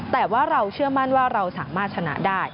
แต่ว่าเราเชื่อมั่นว่าเราสามารถชนะได้